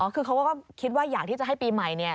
คือเขาก็คิดว่าอยากที่จะให้ปีใหม่